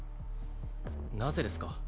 なぜですか？